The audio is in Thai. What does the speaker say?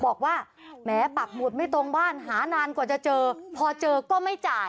บอกว่าแหมปักหมุดไม่ตรงบ้านหานานกว่าจะเจอพอเจอก็ไม่จ่าย